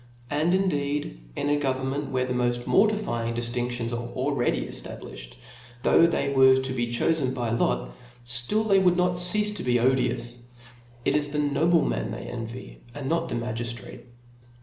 And indeed^ in a government where the moft mortifying diftinc tions are already eftabliflied, though they were to be chofen by lot, ftill thqy would not ceafe to be odious ; it is the nobleman they envy, and not the magiftrate.